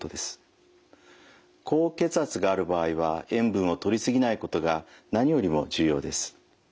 高血圧がある場合は塩分をとり過ぎないことが何よりも重要です。